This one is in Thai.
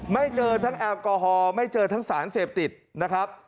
ไม่เจอทั้งแอลกอฮอล์ไม่เจอทั้งสารเสพติดนะครับ